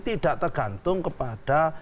tidak tergantung kepada